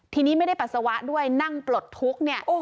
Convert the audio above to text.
ทีนี้ไม่ได้ปัสสาวะด้วยนั่งปลดทุกข์เนี่ย